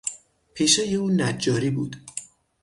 پیشهی او نجاری بود.